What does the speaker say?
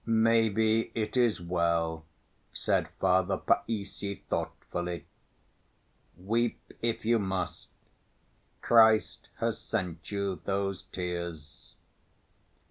"Maybe it is well," said Father Païssy thoughtfully; "weep if you must, Christ has sent you those tears."